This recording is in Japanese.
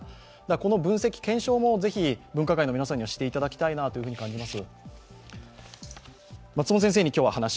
この分析・検証もぜひ分科会の皆さんにはしていただきたいなと感じます。